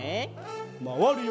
まわるよ。